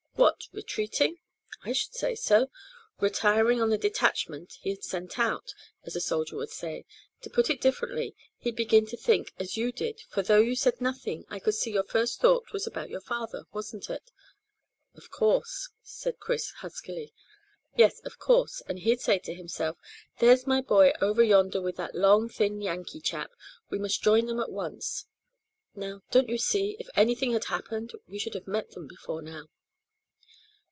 "What, retreating?" "I should say so; retiring on the detachment he had sent out, as a soldier would say. To put it differently, he'd begin to think as you did, for though you said nothing I could see your first thought was about your father. Wasn't it?" "Of course," said Chris huskily. "Yes, of course; and he'd say to himself, `There's my boy over yonder with that long, thin Yankee chap.' We must join them at once. Now, don't you see, if anything had happened we should have met them before now?"